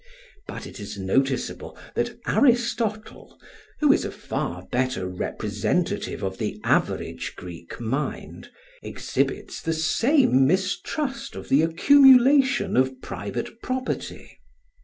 But it is noticeable that Aristotle, who is a far better representative of the average Greek mind, exhibits the same mistrust of the accumulation of private property.